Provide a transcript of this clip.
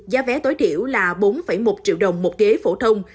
giá vé tối thiểu là bốn một triệu đồng một ghế phổ thông